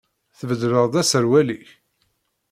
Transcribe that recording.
Tbeddleḍ-d aserwal-ik?